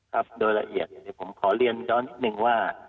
ครับโดยละเอียดผมขอเรียนย้อนนิดนึงว่า